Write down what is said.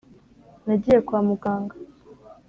nagiye kwa muganga-